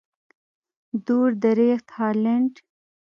دور درېخت هالنډ.